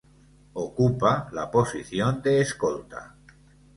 Ocupa la posición de escolta.